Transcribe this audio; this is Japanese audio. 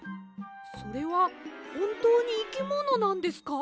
それはほんとうにいきものなんですか？